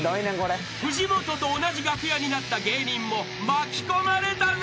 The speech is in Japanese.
［藤本と同じ楽屋になった芸人も巻き込まれたぞ］